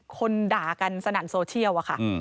คนด่ากันสนั่นโซเชียลค่ะ